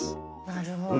なるほど。